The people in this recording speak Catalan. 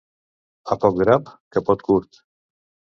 A poc drap, capot curt.